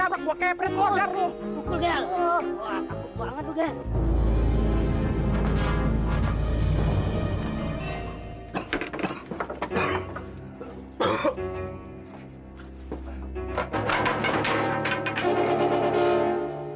waa takut banget lo gel